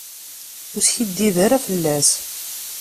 Ur skiddib ara fell-as.